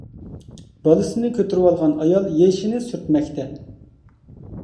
بالىسىنى كۆتۈرۈۋالغان ئايال يېشىنى سۈرتمەكتە.